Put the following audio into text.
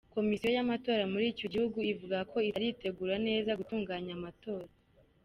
Komisiyo y’amatora muri icyo gihugu ivuga ko itaritegura neza gutunganya amatora.